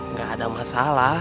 gak ada masalah